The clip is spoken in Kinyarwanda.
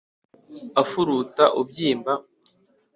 Apfuruta ubwimba